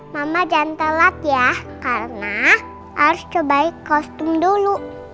mama jangan telat ya karena harus cobain kostum dulu